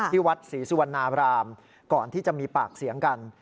ที่วัดศรีสุวรรณรามย์ก่อนที่จะมีปากเสียงเก่า